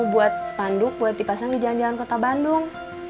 buat spanduk buat dipasang di jalan jalan kota bandung